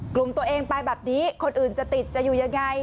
กลุ่มตัวเองไปแบบนี้คนอื่นจะติดจะอยู่ยังไง